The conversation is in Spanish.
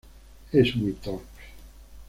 Es muy torpe.